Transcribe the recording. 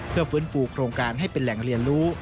เพื่อฟื้นฟูโครงการให้เป็นแหล่งเรียนรู้